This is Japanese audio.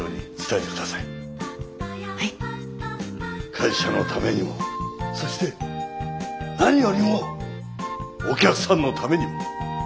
会社のためにもそして何よりもお客さんのためにも。